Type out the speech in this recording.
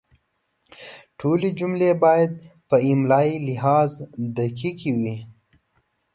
ټولې جملې باید په املایي لحاظ دقیقې وي.